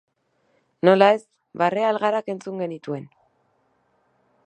Nola ez, barre algarak entzun genituen.